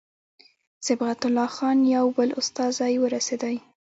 صبغت الله خان یو بل استازی ورسېدی.